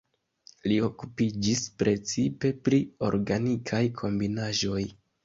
Li okupiĝis precipe pri organikaj kombinaĵoj.